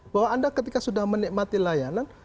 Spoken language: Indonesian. bahwa anda ketika sudah menikmati layanan